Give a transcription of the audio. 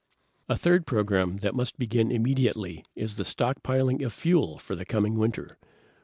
"A third program that must begin immediately is the stockpiling of fuel for the coming winter.